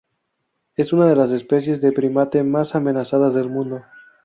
Es una de las especies de primate más amenazadas del mundo.